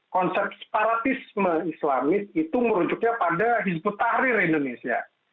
konsep separatisme islamis itu merujuknya pada hizbut tahrir indonesia